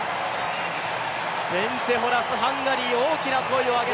ベンツェ・ホラス、ハンガリー、大きな声を上げて。